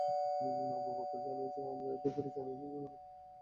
আবু বকর জানে না যে আমরা এব্যাপারে জানি যা আমাদের জন্য একটা সুবিধা।